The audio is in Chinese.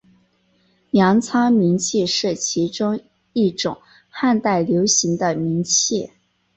粮仓明器是其中一种汉代流行的明器。